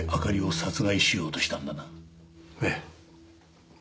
ええ。